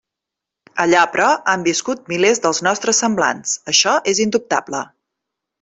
Allà, però, han viscut milers dels nostres semblants; això és indubtable.